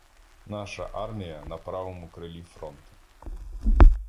Наша армія — на правому крилі фронту.